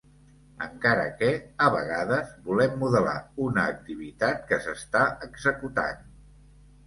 Encara que, a vegades, volem modelar una activitat que s'està executant.